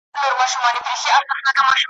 خدای ورکړی وو شهپر د الوتلو `